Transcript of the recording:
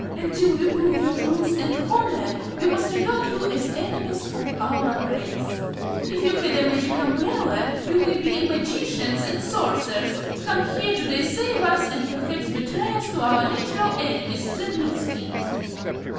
Until we prove your truth and honor we must regard you as enemies of our race. If you had a Magic Umbrella you may be magicians and sorcerers, come here to deceive us and perhaps betray us to our natural enemies, the Blueskins."